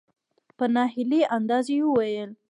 په نا هیلي انداز یې وویل .